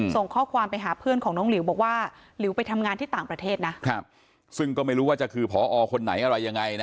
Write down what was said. ส่งข้อความไปหาเพื่อนของน้องหลิวบอกว่าหลิวไปทำงานที่ต่างประเทศนะซึ่งก็ไม่รู้ว่าจะคือพอคนไหนอะไรยังไงนะ